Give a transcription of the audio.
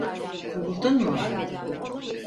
Kovuldun mu?